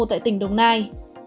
tại tỉnh đồng nai